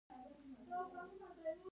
سرمايې زياتېدنې عوامل شته.